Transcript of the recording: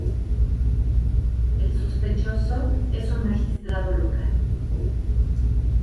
El sospechoso es un magistrado local.